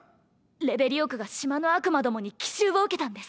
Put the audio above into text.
レベリオ区が島の悪魔どもに奇襲を受けたんです！